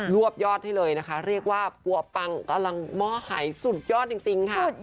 วบยอดให้เลยนะคะเรียกว่าปัวปังกำลังหม้อหายสุดยอดจริงค่ะ